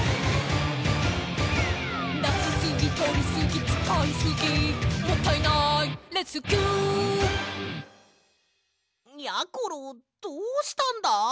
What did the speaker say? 「出しすぎとりすぎ使いすぎもったいないレスキュー」やころどうしたんだ！？